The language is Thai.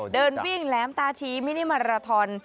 เดินวิ่งแหลมตาชีมินิมาราทอน